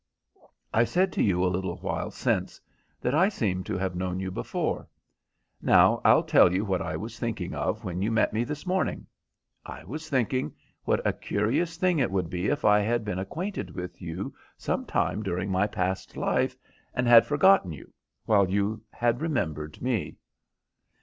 I said to you a little while since that I seem to have known you before. Now, I'll tell you what I was thinking of when you met me this morning. I was thinking what a curious thing it would be if I had been acquainted with you some time during my past life, and had forgotten you, while you had remembered me."